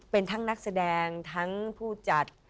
เป็นทั้งนักแสดงทั้งผู้จัด